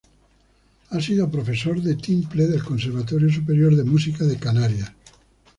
Ha sido profesor de timple del Conservatorio Superior de Música de Canarias.